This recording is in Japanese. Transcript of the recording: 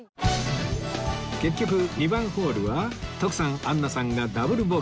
結局２番ホールは徳さんアンナさんがダブルボギー